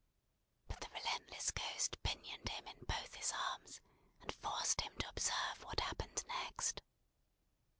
But the relentless Ghost pinioned him in both his arms, and forced him to observe what happened next.